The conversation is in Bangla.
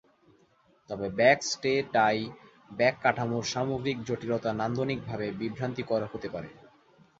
তবে, ব্যাক স্টে টাই ব্যাক কাঠামোর সামগ্রিক জটিলতা নান্দনিকভাবে বিভ্রান্তিকর হতে পারে।